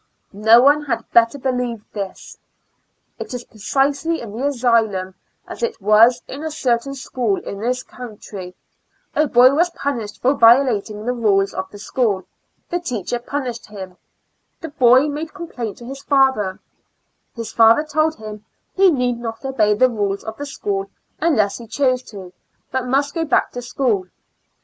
No one had better believe this. It is precisely in the asylum as it was in a certain school in this country; a boy was punished for violating the rules of the school, the teacher punished him; the boy made complaint to his father; his father told him he need not obey the rules of the school unless he chose to, but must go back to school.